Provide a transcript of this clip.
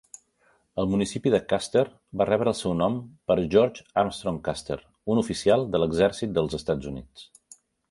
El municipi de Custer va rebre el seu nom per George Armstrong Custer, un oficial de l'exèrcit dels Estats Units.